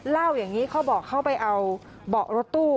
เล่าอย่างนี้เขาบอกเขาไปเอาเบาะรถตู้